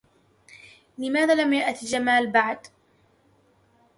لماذا لم يأتِ جمال بعد؟